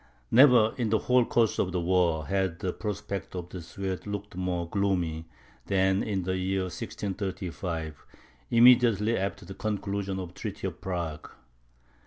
Never, in the whole course of the war, had the prospects of the Swedes looked more gloomy, than in the year 1635, immediately after the conclusion of the treaty of Prague.